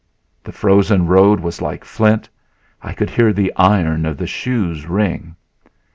The frozen road was like flint; I could hear the iron of the shoes ring.